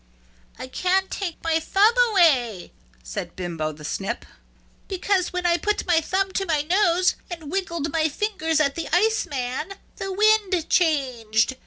"I can't take my thumb away," said Bimbo the Snip, "because when I put my thumb to my nose and wiggled my fingers at the iceman the wind changed.